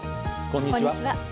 こんにちは。